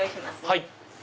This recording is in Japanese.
はい。